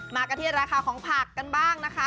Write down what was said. มากันที่ราคาของผักกันบ้างนะคะ